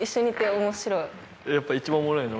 やっぱ一番おもろいの？